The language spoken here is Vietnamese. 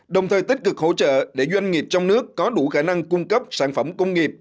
đồng thời tích cực hỗ trợ để doanh nghiệp trong nước có đủ khả năng cung cấp sản phẩm công nghiệp